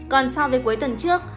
còn so với cuối tuần trước